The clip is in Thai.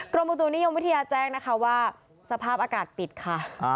กรมอุตุนิยมวิทยาแจ้งนะคะว่าสภาพอากาศปิดค่ะ